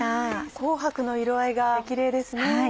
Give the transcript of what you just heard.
紅白の色合いがキレイですね。